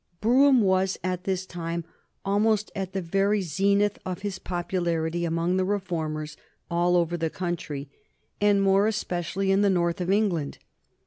Brougham was at this time almost at the very zenith of his popularity among the reformers all over the country, and more especially in the North of England.